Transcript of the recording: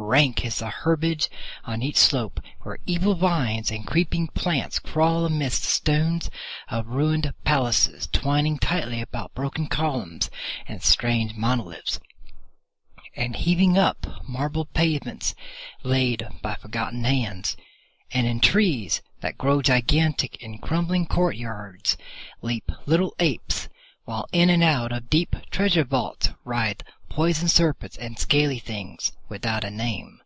Rank is the herbage on each slope, where evil vines and creeping plants crawl amidst the stones of ruined palaces, twining tightly about broken columns and strange monoliths, and heaving up marble pavements laid by forgotten hands. And in trees that grow gigantic in crumbling courtyards leap little apes, while in and out of deep treasure vaults writhe poison serpents and scaly things without a name.